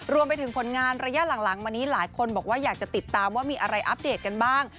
รวมไปถึงผลงานระยะหลังมานี้หลายคนบอกว่าอยากจะติดตามว่ามีอะไรอัปเดตกันบ้าง